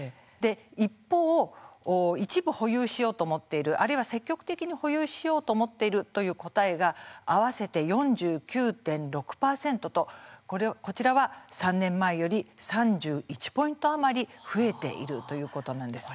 一方、一部保有しようと思っている、あるいは積極的に保有しようと思っているという答えが合わせて４９．６％とこちらは３年前より３１ポイント余り増えているということなんです。